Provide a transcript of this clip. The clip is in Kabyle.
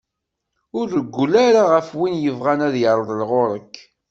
Ur reggel ara ɣef win yebɣan ad d-irḍel ɣur-k.